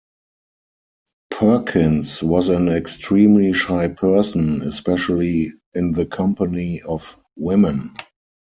Perkins was an extremely shy person, especially in the company of women.